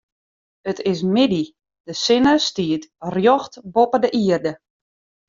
It is middei, de sinne stiet rjocht boppe de ierde.